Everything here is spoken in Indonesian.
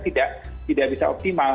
tidak bisa optimal